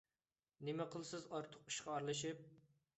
نېمە قىلىسىز ئارتۇق ئىشقا ئارىلىشىپ؟